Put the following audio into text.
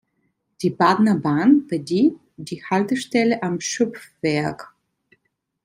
Die Badner Bahn bedient die Haltestelle Am Schöpfwerk.